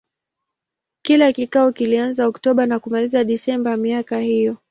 Kila kikao kilianza Oktoba na kumalizika Desemba ya miaka hiyo.